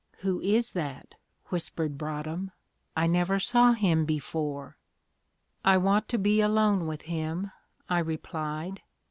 '" "Who is that?" whispered Broadhem. "I never saw him before." "I want to be alone with him," I replied.